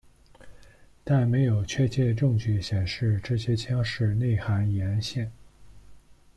但没有确切证据显示这些腔室内含盐腺。